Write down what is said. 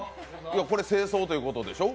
これ、正装ということでしょう？